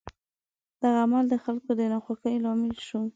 دغه عمل د خلکو د ناخوښۍ لامل شو.